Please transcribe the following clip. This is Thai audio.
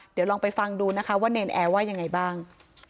เดี๋ยวลองไปฟังดูนะคะว่าเนรนแอร์ว่ายังไงบ้าง